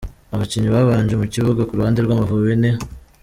Abakinnyi babanje mu kibuga kuruhande rw’Amavubi ni:.